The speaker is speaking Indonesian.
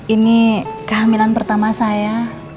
ini kehamilan pertama saya